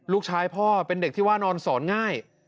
พ่อเป็นเด็กที่ว่านอนสอนง่าย